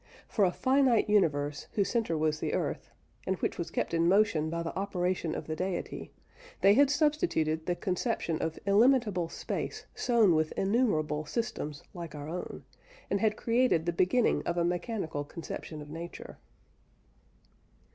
For a finite universe whose centre was the earth, and which was kept in motion by the operation of the Deity, they had substituted the conception of illimitable space sown with innumerable systems like our own; and had created the beginning of a mechanical conception of nature.